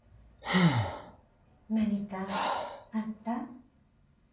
何かあった？